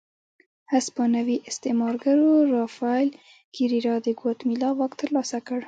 هسپانوي استعمارګرو رافایل کېریرا د ګواتیمالا واک ترلاسه کړ.